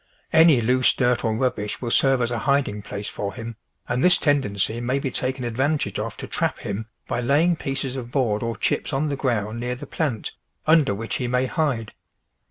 Any loose dirt or rubbish will serve as a hiding place for him, and this tendency may be taken advantage of to trap him by laying pieces of board or chips on the ground near the plant, under which he may hide.